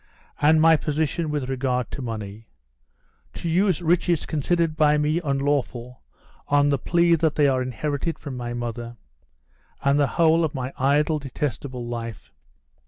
And my position with regard to money? To use riches considered by me unlawful on the plea that they are inherited from my mother? And the whole of my idle, detestable life?